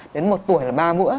đến một tuổi là ba bữa